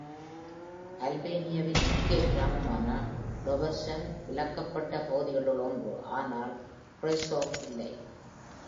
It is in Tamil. அல்பேனியவின் முக்கிய கிராமமான Dobrosin விலக்கப்பட்ட பகுதிகளுள் ஒன்று, ஆனால் Preševo இல்லை.